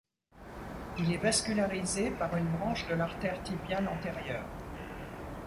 Il est vascularisé par une branche de l'artère tibiale antérieure.